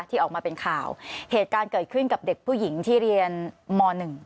ที่ออกมาเป็นข่าวเหตุการณ์เกิดขึ้นกับเด็กผู้หญิงที่เรียนม๑